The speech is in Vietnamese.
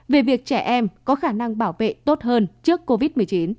về việc trẻ em có khả năng bảo vệ tốt hơn trước covid một mươi chín